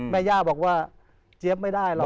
แม่ย่าบอกว่าเจี๊ยบไม่ได้หรอก